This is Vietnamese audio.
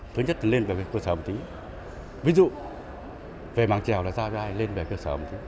thứ nhất là lên về cơ sở hồng trí ví dụ về bảng trèo là ra ra lên về cơ sở hồng trí